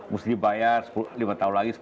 mesti bayar lima tahun lagi